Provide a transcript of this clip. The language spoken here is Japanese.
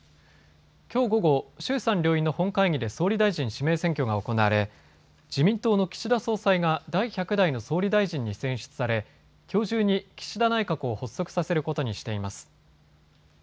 きょう午後、衆参両院の本会議で総理大臣指名選挙が行われ自民党の岸田総裁が第１００代の総理大臣に選出され、きょう中に岸田内閣を発足させることにしています。